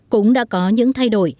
cũng đã có những thay đổi